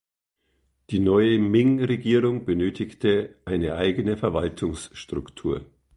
Die neue Ming-Regierung benötigte eine eigene Verwaltungsstruktur.